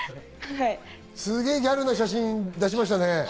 すげぇギャルな写真出しましたね。